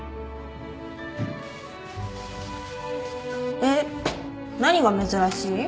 えっ何が珍しい？